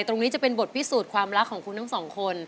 ตรงนี้จะเป็นบทพิสูจน์ความรักของคุณทั้งสองคน